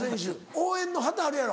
応援の旗あるやろ？